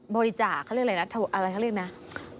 บริจาคเขาเรียกอะไรนะอะไรเขาเรียกนะ